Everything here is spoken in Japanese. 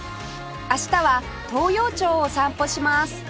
明日は東陽町を散歩します